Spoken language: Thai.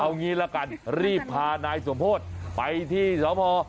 เอางี้ละกันรีบพานายสมโพธิไปที่สพ